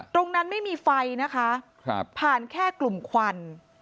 ตรงนั้นไม่มีไฟนะคะผ่านแค่กลุ่มควัน